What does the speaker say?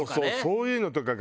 そういうのとかが。